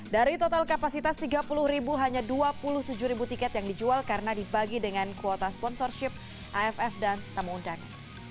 dari total kapasitas tiga puluh ribu hanya dua puluh tujuh tiket yang dijual karena dibagi dengan kuota sponsorship aff dan tamu undang